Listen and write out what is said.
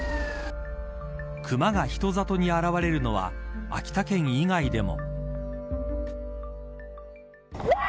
熊が人里に現れるのは秋田県以外でも。